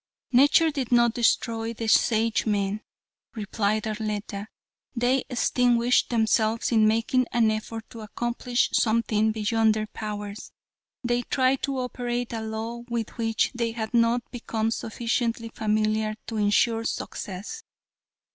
"Nature did not destroy the Sagemen," replied Arletta, "they extinguished themselves in making an effort to accomplish something beyond their powers. They tried to operate a law with which they had not become sufficiently familiar to insure success.